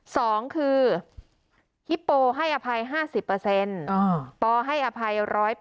สองคือฮิปโปให้อภัย๕๐ปอให้อภัย๑๐๐